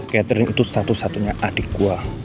catherine itu satu satunya adik gue